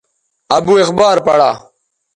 ابو اخبار پڑا